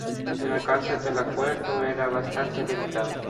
El alcance del acuerdo era bastante limitado.